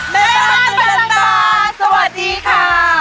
แม่บ้านตัวจันทราสวัสดีคะ